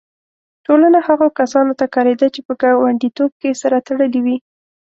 ټولنه هغو کسانو ته کارېده چې په ګانډیتوب کې سره تړلي وي.